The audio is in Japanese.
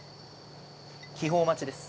気泡待ちです。